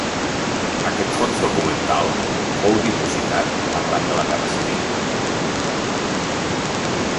Aquest fons documental fou dipositat arran de la guerra civil.